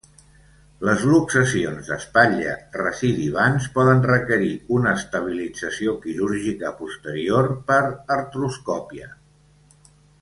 Les luxacions d'espatlla recidivants poden requerir una estabilització quirúrgica posterior per artroscòpia.